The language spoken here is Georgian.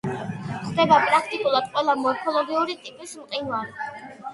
გვხვდება პრაქტიკულად ყველა მორფოლოგიური ტიპის მყინვარი.